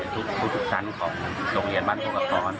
ไอสูงมากเป็นบางคน